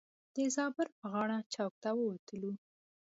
د زابر پر غاړه چوک ته ووتلو.